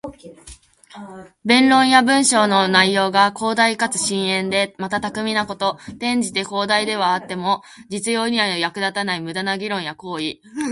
弁論や文章の内容が広大かつ深遠で、また巧みなこと。転じて、広大ではあっても実用には役立たない無駄な議論や行為。